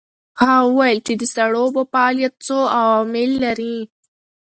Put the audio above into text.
هغه وویل چې د سړو اوبو فعالیت څو عوامل لري.